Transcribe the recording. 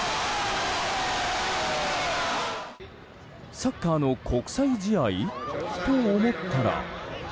サッカーの国際試合と思ったら。